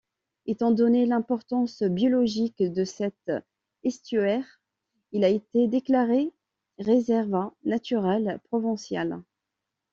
Étant donnée l'importance biologique de cet estuaire, il a été déclaré Reserva Natural Provincial.